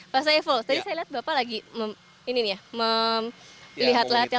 pak saiful tadi saya lihat bapak lagi melihatlah